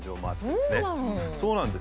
そうなんです。